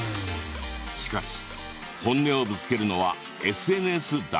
しかし本音をぶつけるのはＳＮＳだけ。